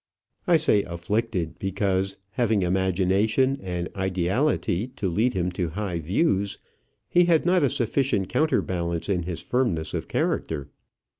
I say afflicted, because, having imagination and ideality to lead him to high views, he had not a sufficient counterbalance in his firmness of character.